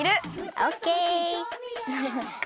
オッケー！